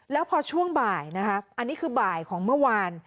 แล้วพอช่วงบ่ายนะคะอันนี้คือบ่ายของเมื่อวาน